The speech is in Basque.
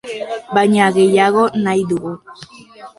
Baina gehiago nahi dugu.